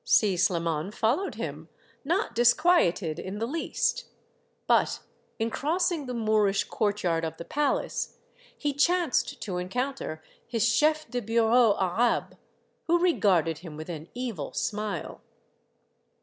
Si Sliman followed him, not disquieted in the least. But in crossing the Moorish courtyard of the palace he chanced to encounter his chef de bureau Arabe, who regarded him with an evil smile.